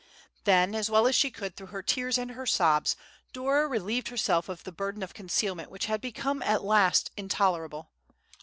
Then, as well as she could through her tears and her sobs, Dora relieved herself of the burden of concealment which had become at last intolerable.